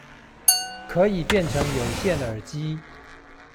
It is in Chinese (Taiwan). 可以變成有線耳機